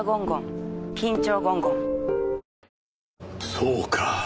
そうか。